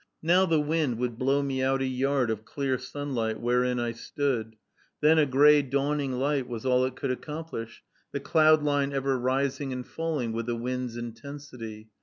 Now the wind would blow me out a yard of clear sunlight, wherein I stood; then a gray, dawning light was all it could accomplish, the cloud line ever rising and falling with the wind's intensity.